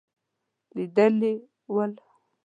لیدلي ول.